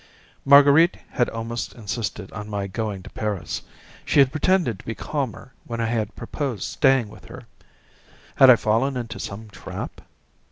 Marguerite had almost insisted on my going to Paris; she had pretended to be calmer when I had proposed staying with her. Had I fallen into some trap?